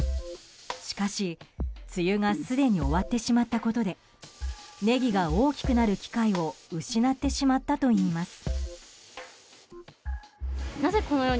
しかし、梅雨がすでに終わってしまったことでネギが大きくなる機会を失ってしまったといいます。